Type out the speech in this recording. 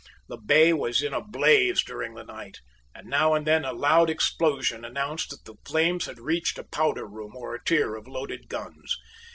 The bay was in a blaze during the night; and now and then a loud explosion announced that the flames had reached a powder room or a tier of loaded guns.